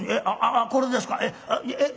あっこれですか。